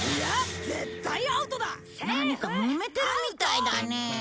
何かもめてるみたいだね。